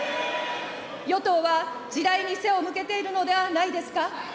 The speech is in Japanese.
与党は、時代に背を向けているのではないですか。